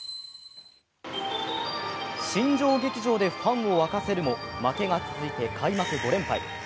新庄劇場でファンを沸かせるも負けが続いて開幕５連敗。